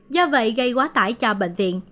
do vậy gây quá tải cho bệnh viện